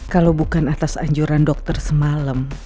kalau bukan atas anjuran dokter semalam